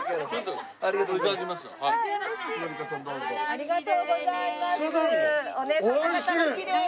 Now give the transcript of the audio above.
ありがとうございます。